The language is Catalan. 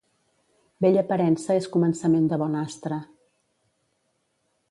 Bella parença és començament de bon astre.